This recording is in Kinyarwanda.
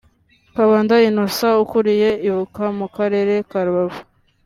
Kabanda Innocent ukuriye ibuka mu karere ka Rubavu